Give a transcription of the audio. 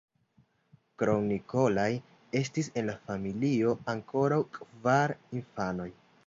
Krom Nikolaj estis en la familio ankoraŭ kvar infanoj.